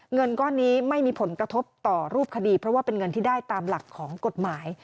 เงินก้อนนี้ไม่มีผลกระทบต่อรูปคดีเพราะว่าเป็นเงินที่ได้ตามหลักของกฎหมาย